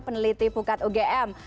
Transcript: peneliti pukat ugm